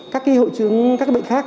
các hội chứng các bệnh khác